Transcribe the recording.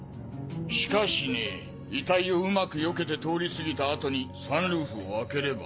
しかしねぇ遺体を上手くよけて通り過ぎた後にサンルーフを開ければ。